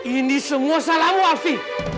ini semua salahmu alfi